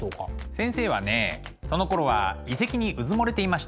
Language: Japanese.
先生はねそのころは遺跡にうずもれていましたね。